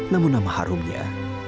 namun nama harumnya